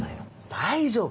大丈夫！